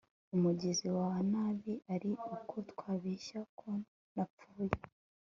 umugizi wa nabi ari uko twabeshya ko napfuye